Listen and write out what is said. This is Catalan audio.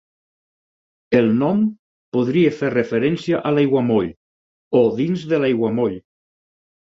El nom podria fer referència a l"aiguamoll o dins de l"aiguamoll.